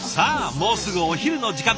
もうすぐお昼の時間。